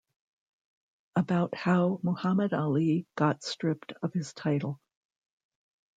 About how Muhammad Ali got stripped of his title.